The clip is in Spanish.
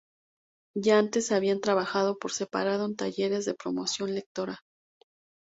Ya antes habían trabajado por separado en talleres de promoción lectora.